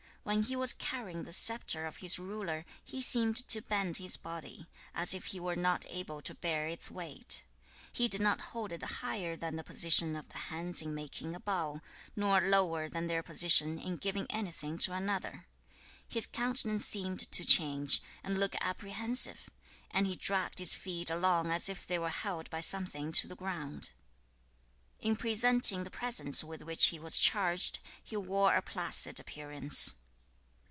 When he was carrying the scepter of his ruler, he seemed to bend his body, as if he were not able to bear its weight. He did not hold it higher than the position of the hands in making 不勝/上如揖/下如授/勃如戰色/足蹜蹜如有循.[二節]享禮/有容色. [三節]私覿/愉愉如也 [第六章][一節]君子不以紺緅飾.[二節]紅紫不以為褻服.[三節] 當暑袗絺綌/必表而出之.[四節]緇衣羔裘/素衣麑裘/黃衣 a bow, nor lower than their position in giving anything to another. His countenance seemed to change, and look apprehensive, and he dragged his feet along as if they were held by something to the ground. 2. In presenting the presents with which he was charged, he wore a placid appearance.